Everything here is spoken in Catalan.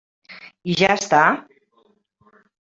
I ja està?